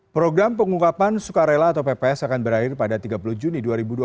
program pengungkapan sukarela atau pps akan berakhir pada tiga puluh juni dua ribu dua puluh